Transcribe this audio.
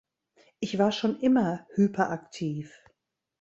Ich war schon immer hyperaktiv.